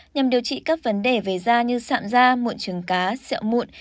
nhằm điều trị các vấn đề về da như sạm da mụn trứng cá siệu mụn